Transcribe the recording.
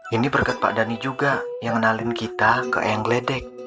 ini berkat pak dhani juga yang kenalin kita ke eyang gledek